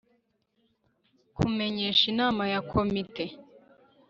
kumenyesha Inama ya komite